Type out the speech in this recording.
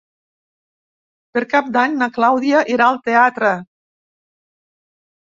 Per Cap d'Any na Clàudia irà al teatre.